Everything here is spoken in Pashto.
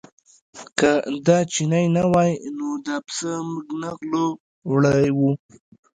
که دا چینی نه وای نو دا پسه موږ نه غلو وړی و.